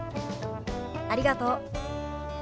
ありがとう。